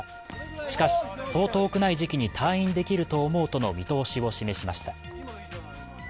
しかし、そう遠くない時期に退院できると思うとの見通しを示しました。